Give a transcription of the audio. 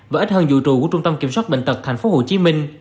và ít hơn dụ trù của trung tâm kiểm soát bệnh tật tp hcm